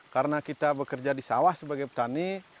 karena kita bekerja di sawah sebagai petani